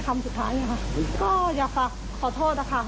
ก็อยากฝากขอโทษนะคะ